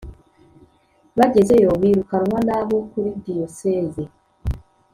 bagezeyo birukanwa n abo kuri diyoseze